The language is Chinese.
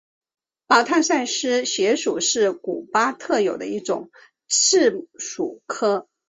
马坦萨斯穴鼠是古巴特有的一种棘鼠科。